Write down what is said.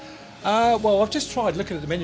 saya baru saja mencoba lihat menu menu